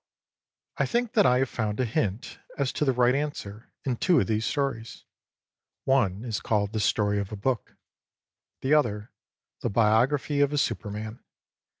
I think that I have found a hint as to the right answer in two of these stories. One is catted " The Story of a Book" the other " The Biography of a Superman."